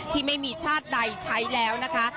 ที่ไม่มีชาติใดใช้แล้วนะคะ